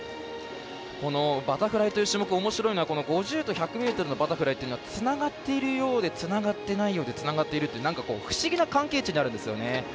バタフライという種目おもしろいのは５０と１００のバタフライはつながっているようでつながってないようでつながっているという不思議な関係あるです。